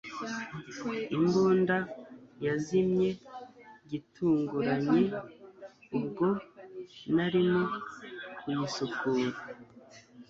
Imbunda yazimye gitunguranye ubwo narimo kuyisukura